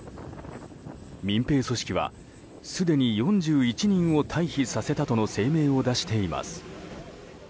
民兵組織はすでに４１人を退避させたとの声明を出しています。